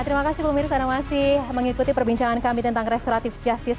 terima kasih pemirsa yang masih mengikuti perbincangan kami tentang restoratif justice